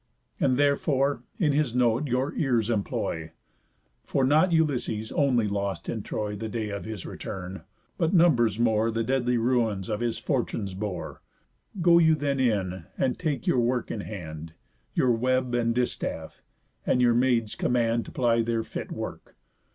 And therefore in his note your ears employ: For not Ulysses only lost in Troy The day of his return, but numbers more The deadly ruins of his fortunes bore. Go you then in, and take your work in hand, Your web, and distaff; and your maids command To ply their fit work.